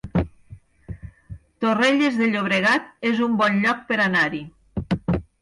Torrelles de Llobregat es un bon lloc per anar-hi